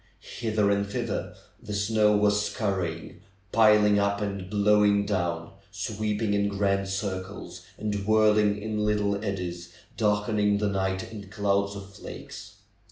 Hither and thither the snow was scurrying, piling up and blowing down, sweeping in grand circles, and whirling in little eddies, darkening the night in clouds of flakes.